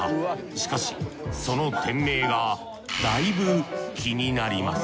しかしその店名がだいぶ気になります。